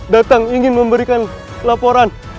datang ingin memberikan laporan